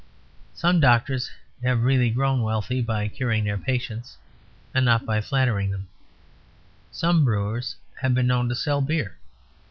Some doctors have really grown wealthy by curing their patients and not by flattering them; some brewers have been known to sell beer.